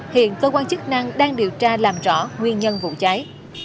hiện cơ quan chức năng đang điều tra làm rõ nguyên nhân vụ cháy